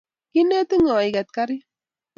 kiinetin ng'o iket karit?